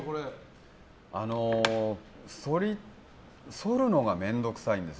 そるのが面倒くさいんですよ